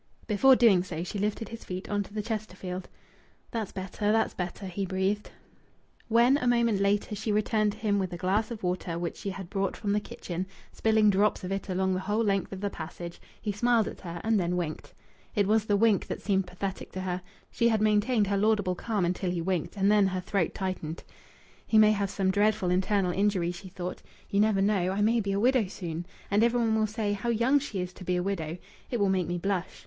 Before doing so she lifted his feet on to the Chesterfield. "That's better. That's better," he breathed. When, a moment later, she returned to him with a glass of water which she had brought from the kitchen, spilling drops of it along the whole length of the passage, he smiled at her and then winked. It was the wink that seemed pathetic to her. She had maintained her laudable calm until he winked, and then her throat tightened. "He may have some dreadful internal injury," she thought. "You never know. I may be a widow soon. And every one will say, 'How young she is to be a widow!' It will make me blush.